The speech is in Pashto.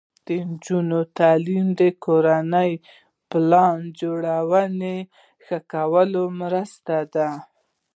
د نجونو تعلیم د کورنۍ پلان جوړونې ښه کولو مرسته ده.